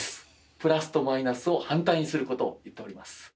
プラスとマイナスを反対にすることを言っております。